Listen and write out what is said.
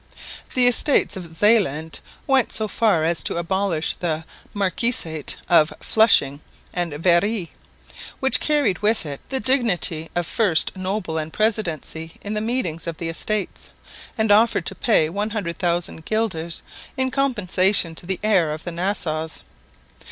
The Estates of Zeeland went so far as to abolish the marquisate of Flushing and Veere, which carried with it the dignity of first noble and presidency in the meetings of the Estates, and offered to pay 100,000 fl. in compensation to the heir of the Nassaus.